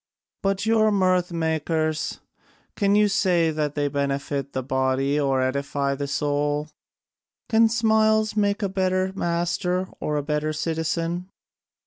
But your mirth makers, can you say they benefit the body or edify the soul? Can smiles make a man a better master or a better citizen?